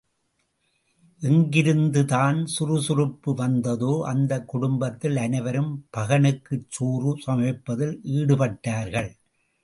எங்கிருந்துதான் சுறுசுறுப்பு வந்ததோ அந்தக் குடும்பத்தில் அனைவரும் பகனுக்குச் சோறு சமைப்பதில் ஈடுபட்டார்கள்.